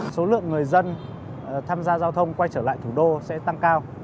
số lượng người dân tham gia giao thông quay trở lại thủ đô sẽ tăng cao